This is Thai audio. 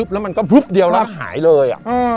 แล้วมันก็พลึบเดียวแล้วหายเลย